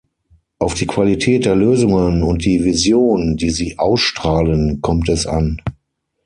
Auf die Qualität der Lösungen und die Vision, die sie ausstrahlen, kommt es an.